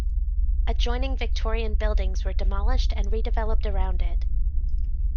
Adjoining Victorian buildings were demolished and redeveloped around it.